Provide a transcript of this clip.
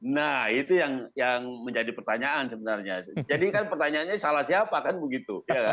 nah itu yang menjadi pertanyaan sebenarnya jadi kan pertanyaannya salah siapa kan begitu